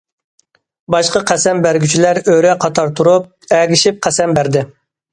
باشقا قەسەم بەرگۈچىلەر ئۆرە قاتار تۇرۇپ، ئەگىشىپ قەسەم بەردى.